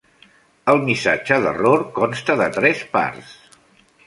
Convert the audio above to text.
El missatge d'error consta de tres parts.